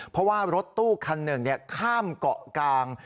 เพราะว่ารถตู้คันหนึ่งข้ามเกาะกลาง